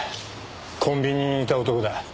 コンビニにいた男だ。